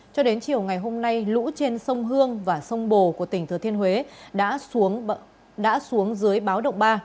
cho đến chiều ngày hôm nay lũ trên sông hương và sông bồ của tỉnh thừa thiên huế đã xuống dưới báo động ba